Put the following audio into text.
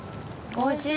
おいしい。